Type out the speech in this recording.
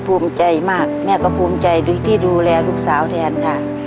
ภูมิใจมากแม่ก็ภูมิใจที่ดูแลลูกสาวแทนค่ะ